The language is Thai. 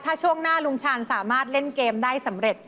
ถ้าช่วงหน้าลุงชาญสามารถเล่นเกมได้สำเร็จ